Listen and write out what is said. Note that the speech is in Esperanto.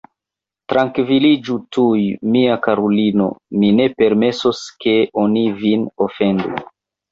Trankviliĝu tuj, mia karulino, mi ne permesos, ke oni vin ofendu.